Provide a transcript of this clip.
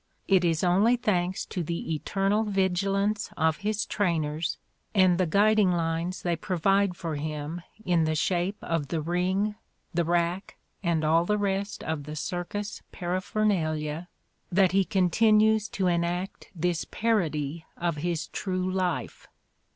It is only thanks to the eternal vigilance of his trainers and the guiding lines they provide for him in the shape of the ring, the rack and all the rest of the circus paraphernalia that he continues to enact this parody of his true life.